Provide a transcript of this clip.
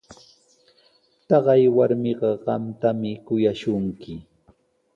Taqay warmiqa qamtami kuyashunki.